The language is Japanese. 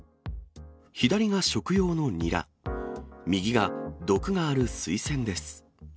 左が食用のニラ、右が、毒があるスイセンです。